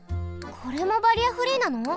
これもバリアフリーなの？